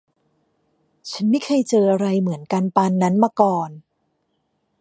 ฉันไม่เคยเจออะไรเหมือนกันปานนั้นมาก่อน !